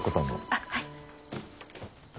あっはい。